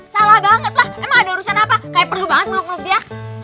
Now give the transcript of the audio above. salah banget lah emang ada urusan apa kayak perlu banget meluk meluk ya